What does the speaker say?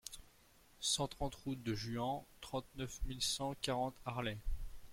cent trente route de Juhans, trente-neuf mille cent quarante Arlay